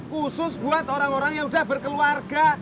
khusus buat orang orang yang sudah berkeluarga